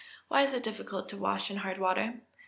_Why is it difficult to wash in hard water?